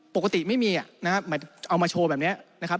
ปกติไม่มีนะครับเอามาโชว์แบบนี้นะครับ